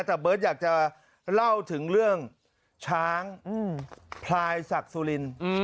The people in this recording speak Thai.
แต่เบิร์ตอยากจะเล่าถึงเรื่องช้างพลายศักดิ์สุรินทร์